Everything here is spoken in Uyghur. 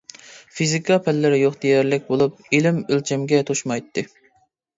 فىزىكا پەنلىرى يوق دېيەرلىك بولۇپ ئىلىم ئۆلچەمگە توشمايتتى.